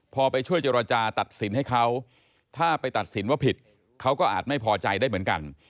พอไปช่วยเจรจาตัดสินให้เขาถ้าไปตัดสินว่าผิดเขาก็อาจไม่พอใจได้เหมือนกัน